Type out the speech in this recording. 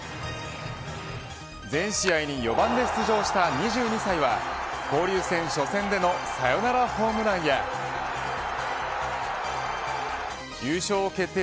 全試合に４番で出場した２２歳は交流戦初戦でのサヨナラホームランや優勝を決定